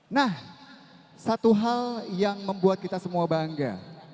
nah satu hal yang membuat kita semua bangga